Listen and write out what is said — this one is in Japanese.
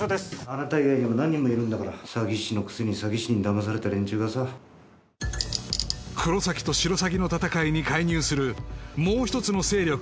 あなた以外にも何人もいるんだから詐欺師のくせに詐欺師にダマされた連中がさ黒崎とシロサギの闘いに介入するもう一つの勢力